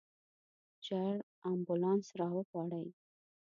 ژر امبولانس راوغواړئ.